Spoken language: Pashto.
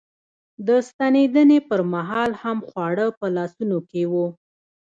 د ستنېدنې پر مهال هم خواړه په لاسونو کې و.